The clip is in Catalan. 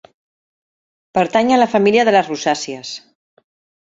Pertany a la família de les rosàcies.